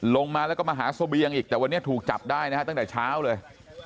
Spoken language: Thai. ลงมาแล้วก็มาหาเสบียงอีกแต่วันนี้ถูกจับได้นะฮะตั้งแต่เช้าเลย